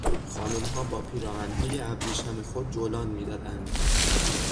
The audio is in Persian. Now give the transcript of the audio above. خانمها با پیراهنهای ابریشم خود جولان میدادند.